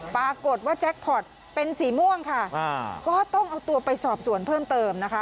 ปรากฏว่าแจ็คพอร์ตเป็นสีม่วงค่ะก็ต้องเอาตัวไปสอบสวนเพิ่มเติมนะคะ